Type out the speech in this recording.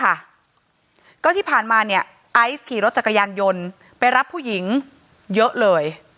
ก็ที่ผ่านมาเนี่ยไอซ์ขี่รถจักรยานยนต์ไปรับผู้หญิงเยอะเลย